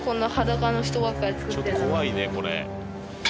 ちょっと怖いねこれ。